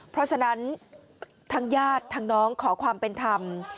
เพราะฉะนั้นทางญาติทางน้องขอความเป็นธรรม